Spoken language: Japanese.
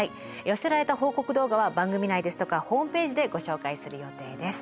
寄せられた報告動画は番組内ですとかホームページでご紹介する予定です。